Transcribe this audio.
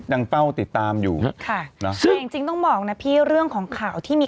ยังเฝ้าติดตามอยู่ค่ะนะฮะคือจริงจริงต้องบอกนะพี่เรื่องของข่าวที่มี